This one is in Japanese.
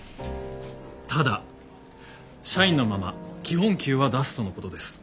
ただ社員のまま基本給は出すとのことです。